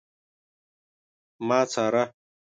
ما څاره